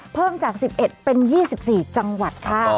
เพิ่มจาก๑๑จังหวัดเป็น๒๔จังหวัดค่ะ